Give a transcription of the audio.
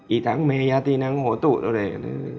อีทางเมยาธีนังโหตุด้วย